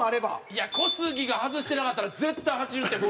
いや小杉が外してなかったら絶対８０点超えてたわこれ。